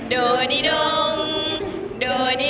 โดดีโดงค่ะ